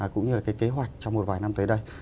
cũng như là cái kế hoạch trong một vài năm tới đây